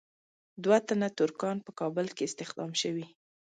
دوه تنه ترکان په کابل کې استخدام شوي.